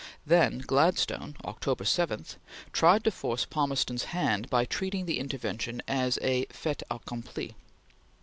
Then Gladstone, October 7, tried to force Palmerston's hand by treating the intervention as a fait accompli.